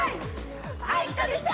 あいこでしょ！